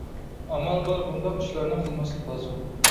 ئامال بار بۇنداق ئىشلارنى قىلماسلىق لازىم.